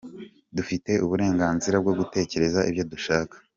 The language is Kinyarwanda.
Dufite uburenganzira bwo gutekereza ibyo dushaka”.